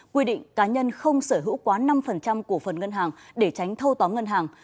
quy định cá nhân không sở hữu quá năm cổ phần ngân hàng để tránh thâu tóm ngân hàng